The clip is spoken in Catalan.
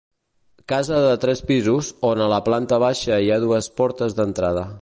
Casa de tres pisos, on a la planta baixa hi ha dues portes d'entrada.